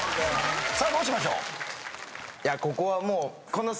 さあどうしましょう？